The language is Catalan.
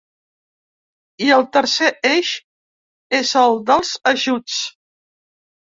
I el tercer eix és el dels ajuts.